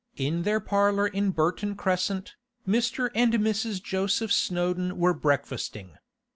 In their parlour in Burton Crescent, Mr. and Mrs. Joseph Snowdon were breakfasting.